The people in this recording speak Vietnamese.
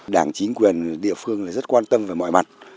đảng chính quyền địa phương rất quan tâm về mọi mặt